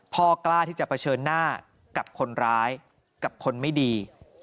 กล้าที่จะเผชิญหน้ากับคนร้ายกับคนไม่ดี